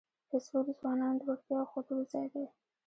فېسبوک د ځوانانو د وړتیاوو ښودلو ځای دی